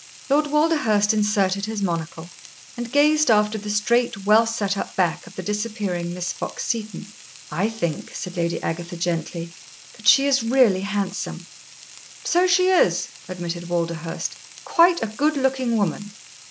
Lord Walderhurst inserted his monocle and gazed after the straight, well set up back of the disappearing Miss Fox Seton. "I think," said Lady Agatha, gently, "that she is really handsome." "So she is," admitted Walderhurst "quite a good looking woman."